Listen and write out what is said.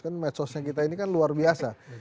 kan medsosnya kita ini kan luar biasa